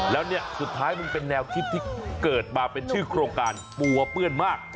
แล้วเนี่ยสุดท้ายมันเป็นแนวคิดที่เกิดมาเป็นชื่อโครงการปัวเปื้อนมาก